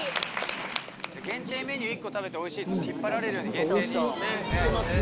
限定メニュー１個食べておいしいと、引っ張られるように限定にね。